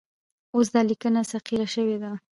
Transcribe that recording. اوس دا لیکنه صیقل شوې ده.